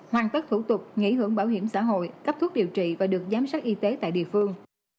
hoàn tất thủ tục nghỉ hưởng bảo hiểm xã hội cấp thuốc điều trị và được giám sát y tế tại địa phương